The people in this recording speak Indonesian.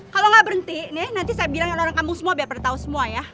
kalo gak berhenti nih nanti saya bilangin orang kampung semua biar pada tau semua ya